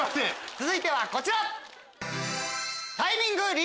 続いてはこちら！